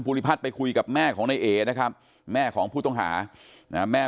พัฒน์ไปคุยกับแม่ของนายเอนะครับแม่ของผู้ต้องหานะแม่